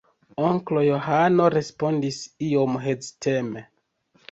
Onklo Johano respondis iom heziteme: